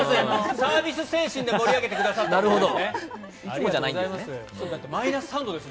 サービス精神で盛り上げてくださってるんですね。